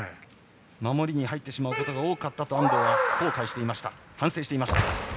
守りに入ってしまうことが多かったと安藤は反省していました。